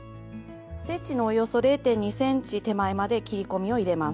ステッチのおよそ０．２ｃｍ手前まで切り込みを入れます。